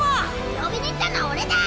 呼びに行ったのは俺だ！